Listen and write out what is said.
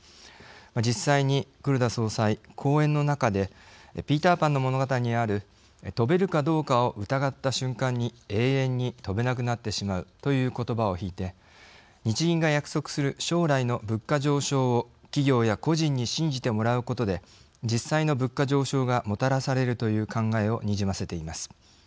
実際に黒田総裁講演の中でピーターパンの物語にある飛べるかどうかを疑った瞬間に永遠に飛べなくなってしまうということばを引いて日銀が約束する将来の物価上昇を企業や個人に信じてもらうことで実際の物価上昇がもたらされるという考えをにじませています。